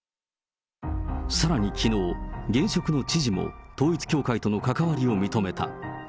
さらにきのう、現職の知事も、統一教会との関わりを認めた。